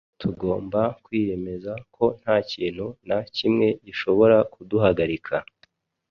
Tugomba kwiyemeza ko nta kintu na kimwe gishobora kuduhagarika